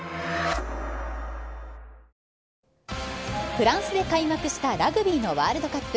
フランスで開幕したラグビーのワールドカップ。